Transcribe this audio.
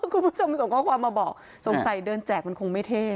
คุณผู้ชมส่งข้อความมาบอกสงสัยเดินแจกมันคงไม่เท่